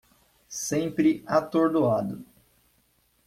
Sempre atordoado